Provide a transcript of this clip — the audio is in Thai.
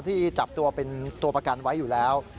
ที่จับตัวเป็นตัวประกันไว้อยู่แล้ว